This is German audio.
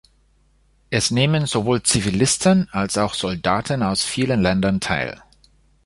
Es nehmen sowohl Zivilisten als auch Soldaten aus vielen Ländern teil.